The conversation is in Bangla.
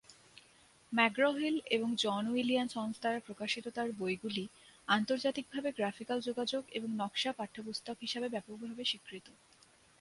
ম্যাকগ্র-হিল এবং জন উইলি অ্যান্ড সন্স দ্বারা প্রকাশিত তার বইগুলি আন্তর্জাতিকভাবে গ্রাফিকাল যোগাযোগ এবং নকশা পাঠ্যপুস্তক হিসাবে ব্যাপকভাবে স্বীকৃত।